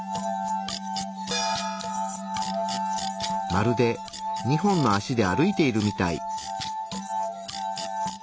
まるで２本の足で歩いているみたい。